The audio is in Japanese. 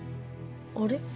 あれ。